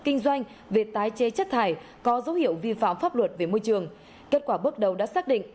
kinh doanh về tái chế chất thải có dấu hiệu vi phạm pháp luật về môi trường kết quả bước đầu đã xác định